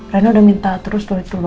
ren udah minta terus tuh